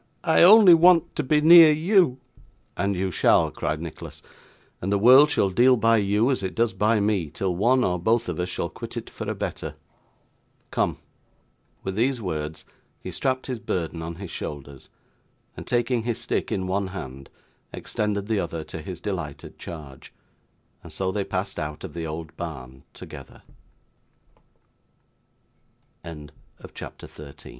I only want to be near you.' 'And you shall,' cried Nicholas. 'And the world shall deal by you as it does by me, till one or both of us shall quit it for a better. Come!' With these words, he strapped his burden on his shoulders, and, taking his stick in one hand, extended the other to his delighted charge; and